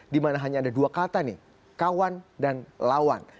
dimana hanya ada dua kata nih kawan dan lawan